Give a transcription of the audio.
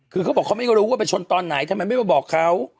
คือเขาบอกเขาไม่รู้ว่าไปชนตอนไหนทำไมไม่มาบอกเขา